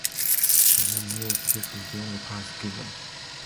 For many years, this was the only prize given.